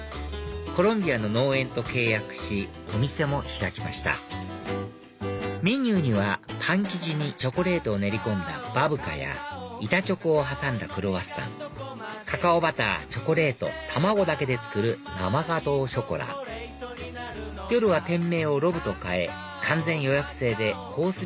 コロンビアの農園と契約しお店も開きましたメニューにはパン生地にチョコレートを練り込んだバブカや板チョコを挟んだクロワッサンカカオバターチョコレート卵だけで作る生ガトーショコラ夜は店名をＲＯＢＢと変え完全予約制でコース